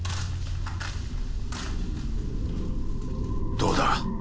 どうだ？